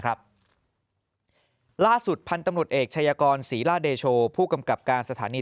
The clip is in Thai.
ล่าสุดพันธุ์ตำรวจเอกชายกรศรีล่าเดโชผู้กำกับการสถานี